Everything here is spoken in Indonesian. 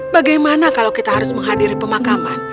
bagaimana kalau kita harus menghadiri pemakaman